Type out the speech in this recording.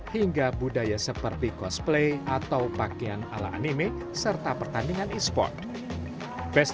hingga budaya seperti cosplay hingga pertandingan e sport